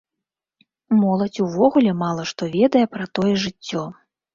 Моладзь увогуле мала што ведае пра тое жыццё.